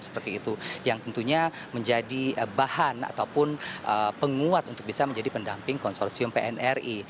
seperti itu yang tentunya menjadi bahan ataupun penguat untuk bisa menjadi pendamping konsorsium pnri